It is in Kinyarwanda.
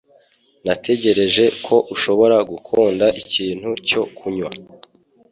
Natekereje ko ushobora gukunda ikintu cyo kunywa.